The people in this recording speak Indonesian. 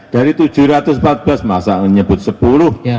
dari tujuh ratus empat belas masa menyebut sepuluh